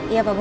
iya pak bos